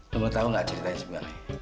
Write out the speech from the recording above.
lu tau ga ceritanya sebenernya